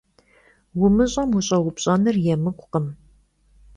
Vumış'em vuş'eupş'enır yêmık'ukhım.